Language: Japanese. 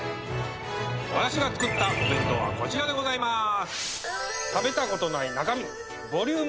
私が作ったお弁当はこちらでございます！